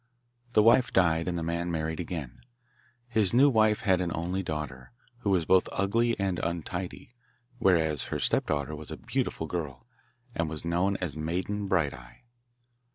The wife died, and the man married again. His new wife had an only daughter, who was both ugly and untidy, whereas her stepdaughter was a beautiful girl, and was known as Maiden Bright eye.